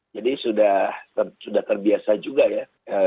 jadi sudah terbiasa juga ya